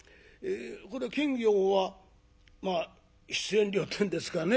検校はまあ出演料というんですかね